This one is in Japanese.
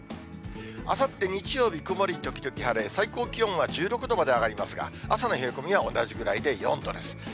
あさって日曜日、曇り時々晴れ、最高気温が１６度まで上がりますが、朝の冷え込みは同じくらいで４度です。